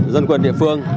dân quân địa phương